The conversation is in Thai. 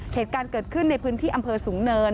เหตุการณ์เกิดขึ้นในพื้นที่อำเภอสูงเนิน